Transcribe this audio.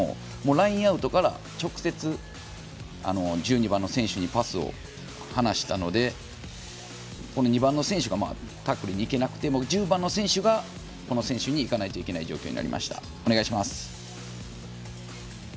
ラインアウトから直接１２番の選手にパスを離したので２番の選手がタックルに行けず１０番の選手がこの選手に行かないといけない状況になりました。